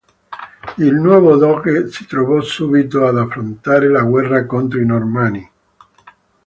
Il nuovo doge si trovò subito ad affrontare la guerra contro i Normanni.